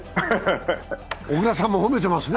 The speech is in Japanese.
小椋さんも褒めてますね。